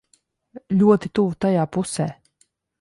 Ļoti tuvu tajā pusē.